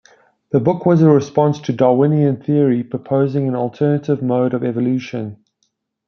The book was a response to Darwinian theory, proposing an alternative mode of evolution.